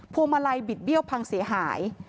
วงมาลัยบิดเบี้ยวพังเสียหาย